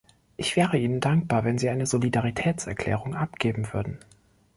Ich wäre Ihnen dankbar, wenn Sie eine Solidaritätserklärung abgeben würden.